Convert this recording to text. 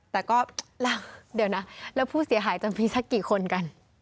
แต่ก็แล้วเดี๋ยวนะแล้วผู้เสียหายจะมีสักกี่คนกัน